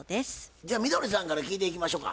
じゃあみどりさんから聞いていきましょか。